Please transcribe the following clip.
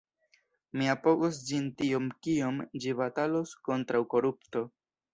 Mi apogos ĝin tiom kiom ĝi batalos kontraŭ korupto.